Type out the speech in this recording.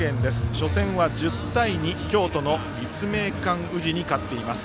初戦は１０対２、京都の立命館宇治に勝っています。